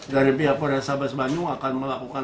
dari pihak polrestabes bandung akan melakukan